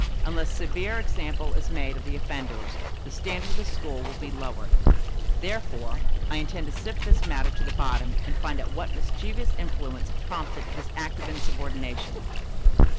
Unless a severe example is made of the offenders, the standard of the school will be lowered. Therefore, I intend to sift this matter to the bottom and find out what mischievous influence prompted this act of insubordination.